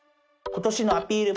今年のアピール